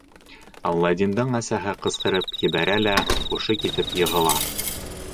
Аладдиндың әсәһе ҡысҡырып ебәрә лә һушы китеп йығыла.